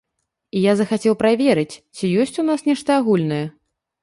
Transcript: І я захацеў праверыць, ці ёсць у нас нешта агульнае.